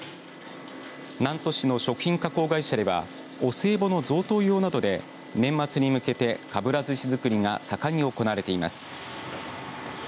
南砺市の食品加工会社ではお歳暮の贈答用などで年末に向けてかぶらずし作りが盛んに行われています。